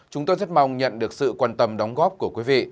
chúng tôi rất mong nhận được sự quan tâm đóng góp của quý vị